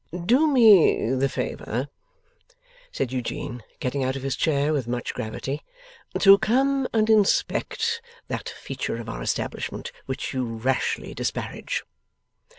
'Do me the favour,' said Eugene, getting out of his chair with much gravity, 'to come and inspect that feature of our establishment which you rashly disparage.